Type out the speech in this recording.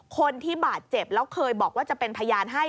คนที่บาดเจ็บแล้วเคยบอกว่าจะเป็นพยานให้